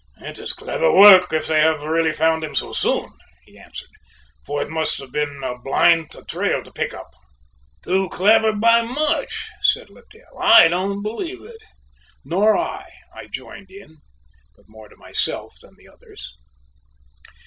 "It is clever work if they have really found him so soon," he answered, "for it must have been a blind trail to pick up." "Too clever by much," said Littell; "I don't believe it." "Nor I," I joined in, but more to myself than the others.